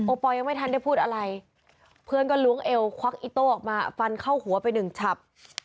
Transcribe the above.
ปอลยังไม่ทันได้พูดอะไรเพื่อนก็ล้วงเอวควักอิโต้ออกมาฟันเข้าหัวไปหนึ่งฉับ